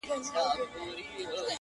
که هر څو یې پښې تڼاکي په ځغستا کړې٫